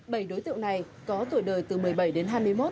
bảy đối tượng này có tuổi đời từ một mươi bảy đến hai mươi một